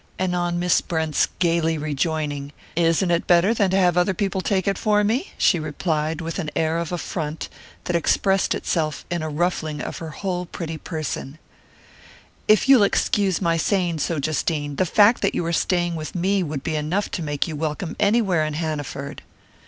And on Miss Brent's gaily rejoining: "Isn't it better than to have other people take it for me?" she replied, with an air of affront that expressed itself in a ruffling of her whole pretty person: "If you'll excuse my saying so, Justine, the fact that you are staying with me would be enough to make you welcome anywhere in Hanaford!"